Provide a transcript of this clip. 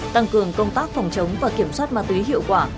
tăng cường công tác phòng chống và kiểm soát ma túy hiệu quả